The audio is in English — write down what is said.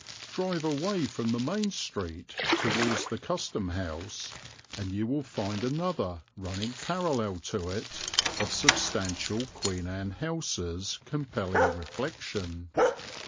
Drive away from the main street towards the Custom house, and you will find another, running parallel to it, of substantial Queen Anne houses compelling reflection.